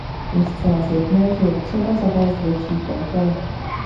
Je zcela zjevné, že je třeba zavést větší kontroly.